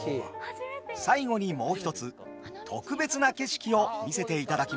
最後にもう一つ特別な景色を見せていただきました。